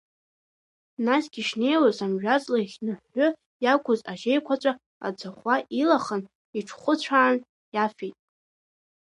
Насгьы ишнеиуаз, амжәаҵла иахьныҳәҳәы иақәыз ажьеиқәаҵәа аӡахәа илахан, иҿӷәыцәаан иафеит.